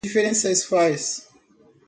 Que diferença isso faz?